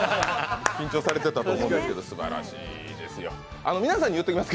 緊張されてたと思うんですけど、すばらしいと思います。